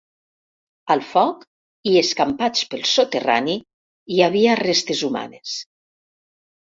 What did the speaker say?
Al foc, i escampats pel soterrani, hi havia restes humanes.